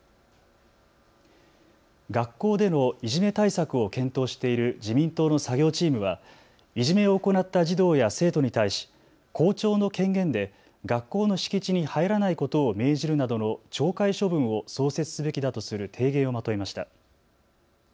学校でのいじめ対策を検討している自民党の作業チームはいじめを行った児童や生徒に対し校長の権限で学校の敷地に入らないことを命じるなどの懲戒処分を創設すべきだとする提言をまとめました。